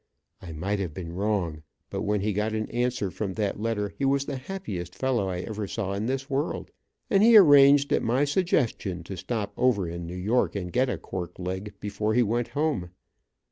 I might have been wrong, but when he got an answer from that letter he was the happiest fellow I ever saw in this world, and he arranged at my suggestion, to stop over in New York and get a cork leg before he went home.